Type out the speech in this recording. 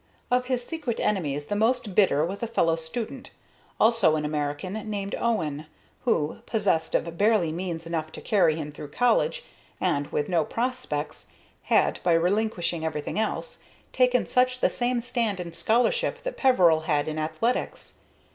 Of his secret enemies the most bitter was a fellow student, also an American, named Owen, who, possessed of barely means enough to carry him through college, and with no prospects, had, by relinquishing everything else, taken much the same stand in scholarship that Peveril had in athletics.